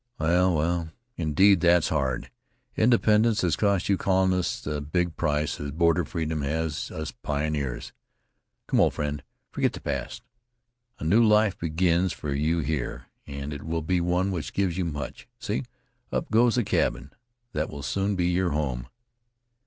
"Well, well, indeed that's hard. Independence has cost you colonists as big a price as border freedom has us pioneers. Come, old friend, forget the past. A new life begins for you here, and it will be one which gives you much. See, up goes a cabin; that will soon be your home."